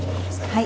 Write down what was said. はい